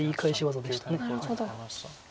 なるほど。